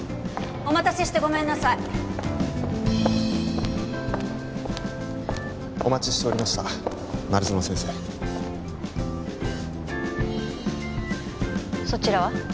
お待たせしてごめんなさいお待ちしておりました丸園先生そちらは？